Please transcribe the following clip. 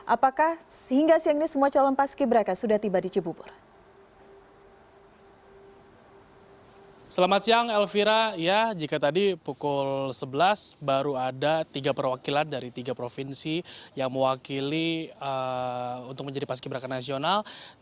apakah sehingga siang ini semua calon paski berak akan menjalani pemusatan pelatihan